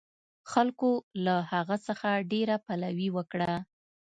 خلکو له هغه څخه ډېره پلوي وکړه.